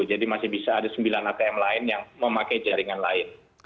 jadi masih bisa ada sembilan atm lain yang memakai jaringan lain